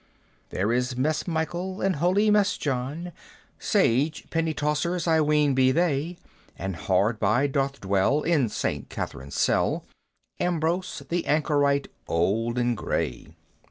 "There is Mess Michael, and holy Mess John, Sage penitauncers I ween be they! And hard by doth dwell, in St. Catherine's cell, Ambrose, the anchorite old and gray!"